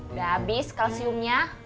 udah abis kalsiumnya